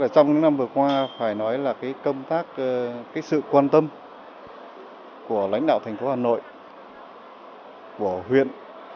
trong những năm vừa qua phải nói là công tác sự quan tâm của lãnh đạo thành phố hà nội của huyện